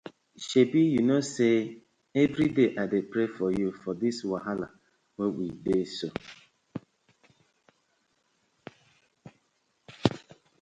Shebi yu kno say everyday I dey pray for yu for this wahala wey we dey so.